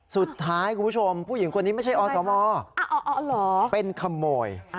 คุณผู้ชมผู้หญิงคนนี้ไม่ใช่อสมเป็นขโมย